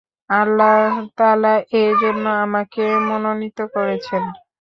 আল্লাহ তায়ালা এর জন্য আমাকে মনোনীত করেছেন।